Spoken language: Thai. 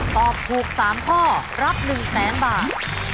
ตอบถูก๓ข้อรับ๑๐๐๐๐บาท